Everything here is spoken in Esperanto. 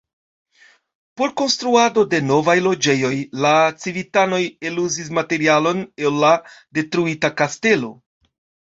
Por konstruado de novaj loĝejoj la civitanoj eluzis materialon el la detruita kastelo.